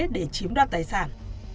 để chiếm đoạt tài sản